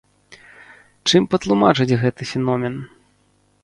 Чым патлумачыць гэты феномен?